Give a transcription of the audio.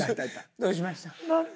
どうしました？